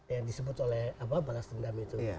yang disebut oleh balas dendam itu